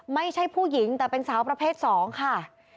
ไม่ใช่ผู้หญิงแต่เป็นสาวประเภท๒ค่ะ